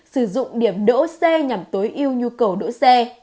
sử dụng điểm đỗ xe nhằm tối ưu nhu cầu đỗ xe